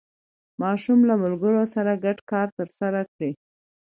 ماشوم له ملګرو سره ګډ کار ترسره کړ